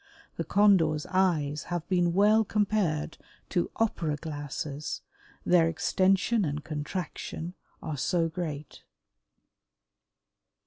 The Condor's eyes have been well compared to opera glasses, their extension and contraction are so great.